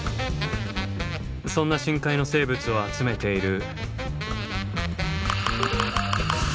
そんな深海の生物を集めている。